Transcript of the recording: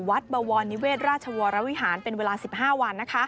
บวรนิเวศราชวรวิหารเป็นเวลา๑๕วัน